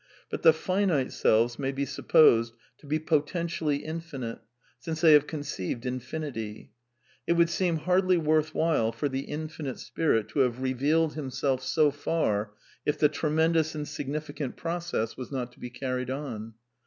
But the finite selves may be supposed to be potentially in finite, since they have conceived infinity. It wotdd seem hardly worth while for the infinite Spirit to have revealed himself so far if the tremendous and significant process was not to be carried on.